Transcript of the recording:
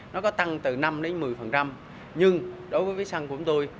nó có tăng từ năm đến một mươi nhưng đối với vĩnh săn của chúng tôi